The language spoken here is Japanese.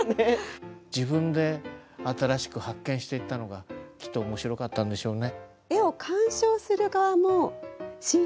自分で新しく発見していったのがきっと面白かったんでしょうね。